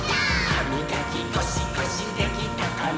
「はみがきゴシゴシできたかな？」